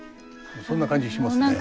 そんな感じしますね。